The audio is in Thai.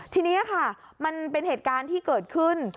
ทีนี้ค่ะมันเป็นเหตุการณ์ที่เกิดขึ้น